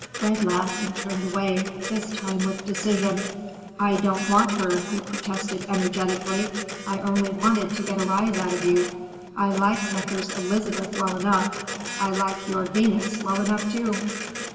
Fred laughed and turned away, this time with decision. "I don't want her!" he protested energetically. "I only wanted to get a rise out of you. I like Necker's Elizabeth well enough. I like your Venus well enough, too."